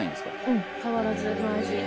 うん変わらずの味